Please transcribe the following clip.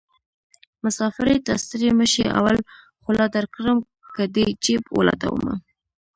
مسافرۍ نه ستړی مشې اول خوله درکړم که دې جېب ولټومه